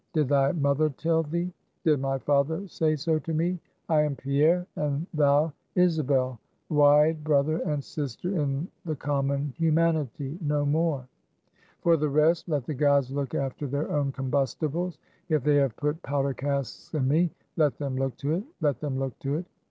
Did thy mother tell thee? Did my father say so to me? I am Pierre, and thou Isabel, wide brother and sister in the common humanity, no more. For the rest, let the gods look after their own combustibles. If they have put powder casks in me let them look to it! let them look to it!